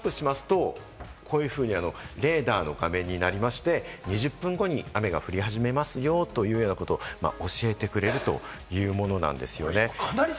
これをタップしますと、こういうふうにレーダーの画面になりまして、２０分後に雨が降り始めますよ、というようなことを教えてくれるというものなんですよね。